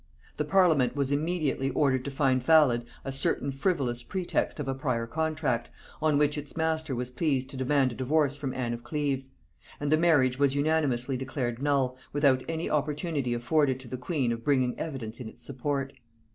The parliament was immediately ordered to find valid a certain frivolous pretext of a prior contract, on which its master was pleased to demand a divorce from Ann of Cleves; and the marriage was unanimously declared null, without any opportunity afforded to the queen of bringing evidence in its support.